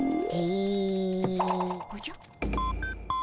おじゃ？